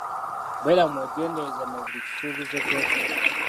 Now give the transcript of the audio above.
Beera mwegendereza mu buli kisuubizo ky'okola.